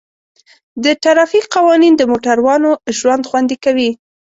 د ټرافیک قوانین د موټروانو ژوند خوندي کوي.